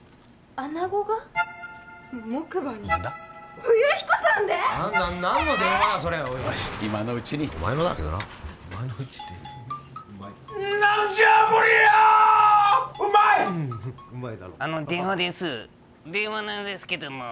あの電話ですー